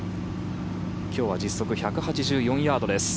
今日は実測１８４ヤードです。